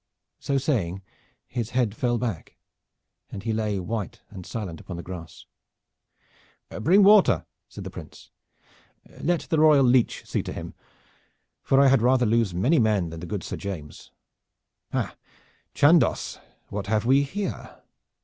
So saying his head fell back, and he lay white and silent upon the grass. "Bring water!" said the Prince. "Let the royal leech see to him; for I had rather lose many men than the good Sir James. Ha, Chandos, what have we here?"